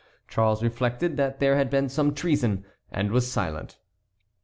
Charles reflected that there had been some treason, and was silent.